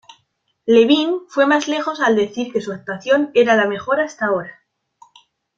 Levine fue más lejos al decir que su actuación era "la mejor hasta ahora".